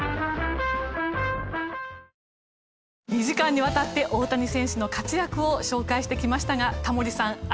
２時間にわたって大谷選手の活躍を紹介してきましたがタモリさん